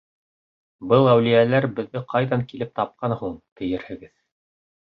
Был әүлиәләр беҙҙе ҡайҙан килеп тапҡан һуң, тиерһегеҙ?